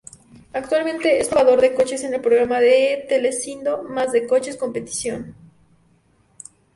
Actualmente es probador de coches en el programa de Telecinco Más que Coches Competición.